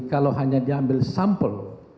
kalau hanya diambil sampel